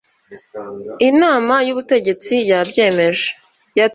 Inama y Ubutegetsi yabyemeje.